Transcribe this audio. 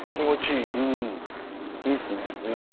いいっすね。